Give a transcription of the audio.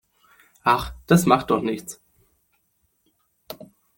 Ach, das macht doch nichts.